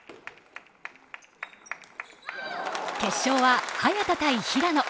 決勝は早田対平野。